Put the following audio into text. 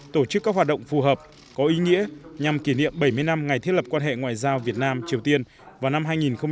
tổ chức các hoạt động phù hợp có ý nghĩa nhằm kỷ niệm bảy mươi năm ngày thiết lập quan hệ ngoại giao việt nam triều tiên vào năm hai nghìn hai mươi